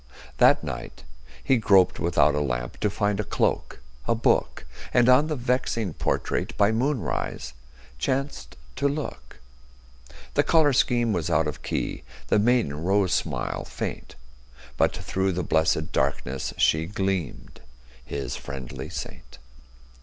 That night he groped without a lamp To find a cloak, a book, And on the vexing portrait By moonrise chanced to look. The color scheme was out of key, The maiden rose smile faint, But through the blessed darkness She gleamed, his friendly saint.